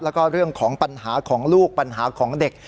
แล้วก็เรื่องของปัญหาของลูกปัญหาของเด็ก